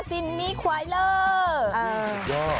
สินมีควายเลอร์